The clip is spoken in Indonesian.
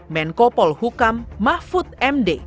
menko polhukam mahfud md